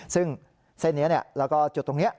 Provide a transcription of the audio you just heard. ซึ่งเส้นนี้แล้วก็จุดตรงนี้